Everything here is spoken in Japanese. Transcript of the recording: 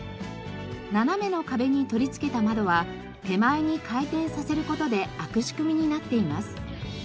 斜めの窓に取り付けた窓は手前に回転させる事で開く仕組みになっています。